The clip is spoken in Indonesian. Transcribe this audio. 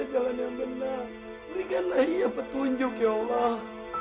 kamu kenapa sih